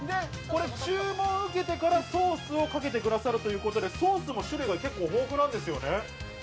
注文を受けてからソースをかけてくださるということでソースも種類が結構豊富なんですよね。